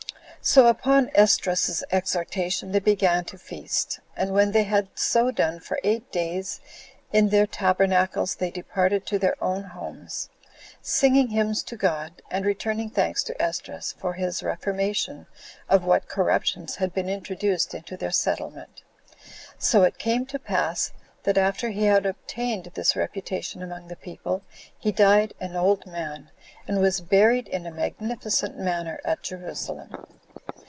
So upon Esdras's exhortation they began to feast; and when they had so done for eight days, in their tabernacles, they departed to their own homes, singing hymns to God, and returning thanks to Esdras for his reformation of what corruptions had been introduced into their settlement. So it came to pass, that after he had obtained this reputation among the people, he died an old man, and was buried in a magnificent manner at Jerusalem.